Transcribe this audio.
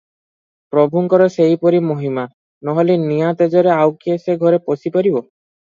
ପ୍ରଭୁଙ୍କର ସେହିପରି ମହିମା, ନୋହିଲେ ନିଆଁ ତେଜରେ ଆଉ କିଏ ସେ ଘରେ ପଶି ପାରିବ?